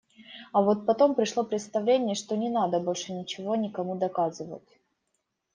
А вот потом пришло представление, что не надо больше ничего никому доказывать.